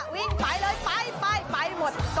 วิ่งไปเลยไปไปหมด